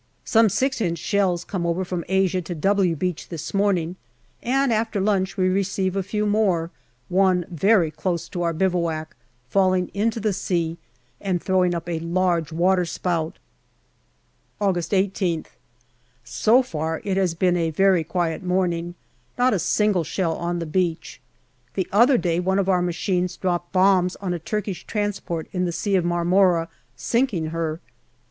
Some 6 inch shells come over from Asia to " W " Beach this morning, and after lunch we receive a few more, one, very close to our bivouac, falling into the sea and throwing up a large waterspout. 196 GALLIPOLI DIARY August 18th. So far it has been a very quiet morning, not a single shell on the beach. The other day one of our machines dropped bombs on a Turkish transport in the Sea of Marmora, sinking her.